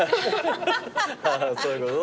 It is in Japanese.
ああそういうこと？